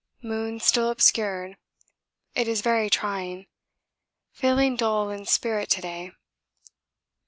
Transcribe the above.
Moon still obscured it is very trying. Feeling dull in spirit to day.